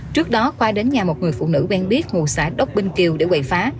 trước đó khoa đến nhà một người phụ nữ quen biết ngụ xã đốc binh kiều để quậy phá